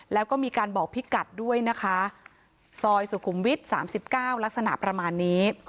แล้วก็มีการบอกพี่กัดด้วยนะคะซอยสุขุมวิท๓๙ลักษณะประมาณนี้